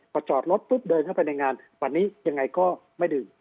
ประจอบรถด้วยเดินเข้าไปในวันนี้ยังไงก็ไม่ดื่ม